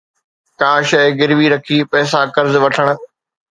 ڪا شيءِ گروي رکي پئسا قرض وٺڻ